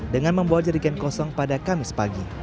dengan membawa jerigen kosong pada kamis pagi